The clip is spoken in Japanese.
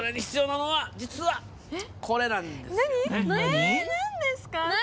えなんですか？